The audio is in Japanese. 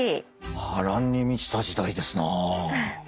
波乱に満ちた時代ですなあ。